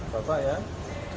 bapak yang nyari